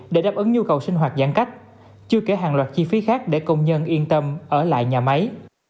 để đáp ứng nhu cầu sinh hoạt giãn cách chưa kể hàng loạt chi phí khác để công nhân yên tâm ở lại nhà máy